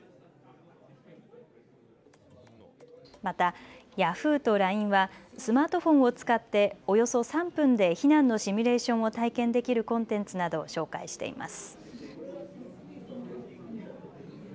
またヤフーとＬＩＮＥはスマートフォンを使っておよそ３分で避難のシミュレーションを体験できるコンテンツなどを紹介しています。